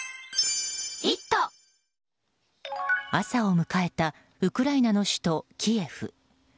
朝を迎えたウクライナの首都キエフ。